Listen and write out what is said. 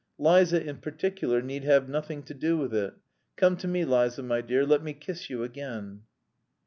Liza in particular need have nothing to do with it. Come to me, Liza, my dear, let me kiss you again."